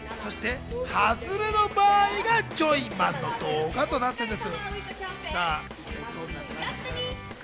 ハズレの場合はジョイマンの動画となっています。